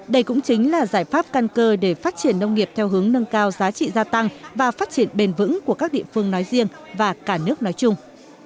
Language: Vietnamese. đây cũng chính là giải pháp căn cơ để phát triển nông nghiệp theo hướng nâng cao giá trị gia tăng và phát triển bền vững của các địa phương nói riêng và cả nước nói chung